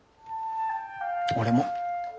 俺も。